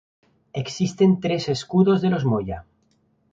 Existen tres escudos de los Moya.